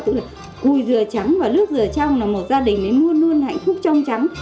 tức là cùi dừa trắng và nước dừa trong là một gia đình luôn luôn hạnh phúc trong trắng